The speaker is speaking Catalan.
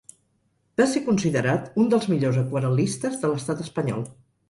Va ser considerat un dels millors aquarel·listes de l'estat espanyol.